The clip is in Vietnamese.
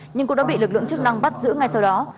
nhưng cũng đã bị lực lượng chức năng bắt giữ ngay sau đó